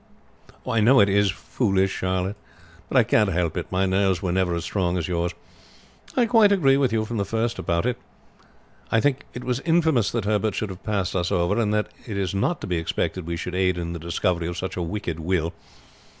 "I know it is foolish, Charlotte, but I can't help it; my nerves were never as strong as yours. I quite agreed with you from the first about it. I think it was infamous that Herbert should have passed us over, and that it is not to be expected we should aid in the discovery of such a wicked will.